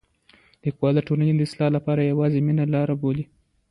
لیکوال د ټولنې د اصلاح لپاره یوازې مینه لاره بولي.